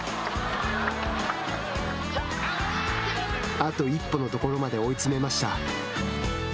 あと一歩のところまで追い詰めました。